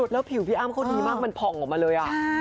แล้วผิวพี่อ้ำเขาดีมากมันผ่องออกมาเลย